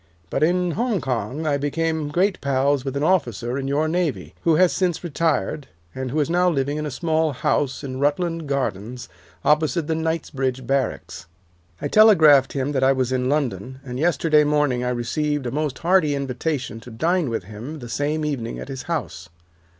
But in Hong Kong I had become great pals with an officer in your navy, who has since retired, and who is now living in a small house in Rutland Gardens opposite the Knightsbridge barracks. I telegraphed him that I was in London, and yesterday morning I received a most hearty invitation to dine with him the same evening at his house.